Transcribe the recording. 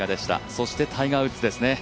そしてタイガー・ウッズですね。